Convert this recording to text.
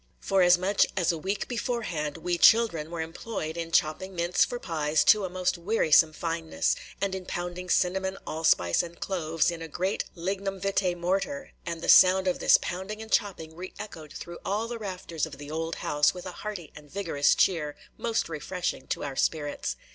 For as much as a week beforehand, "we children" were employed in chopping mince for pies to a most wearisome fineness, and in pounding cinnamon, allspice, and cloves in a great lignum vitæ mortar; and the sound of this pounding and chopping re echoed through all the rafters of the old house with a hearty and vigorous cheer, most refreshing to our spirits.